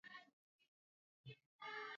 Yeye ni mchezaji aliye shinda zaidi nchini Ureno